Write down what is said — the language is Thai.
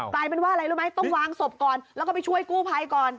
กลายเป็นว่าอะไรรู้ไหมต้องวางศพก่อนแล้วก็ไปช่วยกู้ภัยก่อน